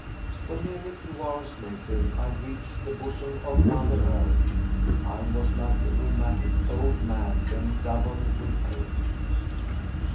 When, nearly two hours later, I reached the bosom of mother earth, I was like a rheumatic old man bent double with pain.